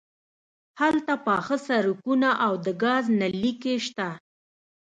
هلته پاخه سړکونه او د ګاز نل لیکې شته